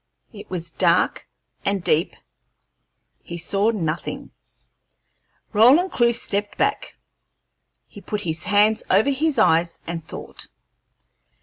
It was dark and deep; he saw nothing. Roland Clewe stepped back; he put his hands over his eyes and thought.